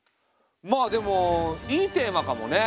まあでもいいテーマかもね。